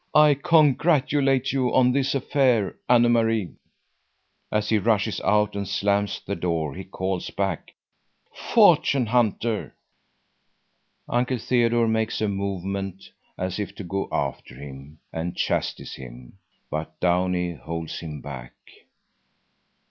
I congratulate you on this affair, Anne Marie!" As he rushes out and slams the door, he calls back: "Fortune hunter!" Uncle Theodore makes a movement as if to go after him and chastise him, but Downie holds him back.